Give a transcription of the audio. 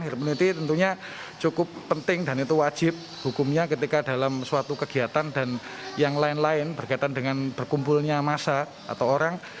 hermity tentunya cukup penting dan itu wajib hukumnya ketika dalam suatu kegiatan dan yang lain lain berkaitan dengan berkumpulnya massa atau orang